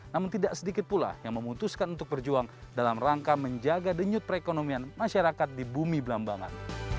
namun tidak sedikit pula yang memutuskan untuk berjuang dalam rangka menjaga denyut perekonomian masyarakat di bumi belambangan